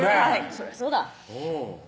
そりゃそうだ